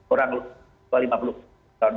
orang tua lima puluh tahun